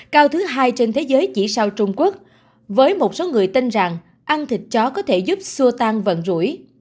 cao thứ hai trên thế giới chỉ sau trung quốc với một số người tin rằng ăn thịt chó có thể giúp xua tan vận rũi